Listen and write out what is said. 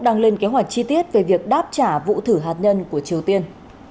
đang lên kế hoạch chi tiết về việc đáp trả vụ thử hạt nhân của triều tiên